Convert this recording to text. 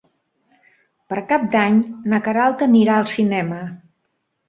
Per Cap d'Any na Queralt anirà al cinema.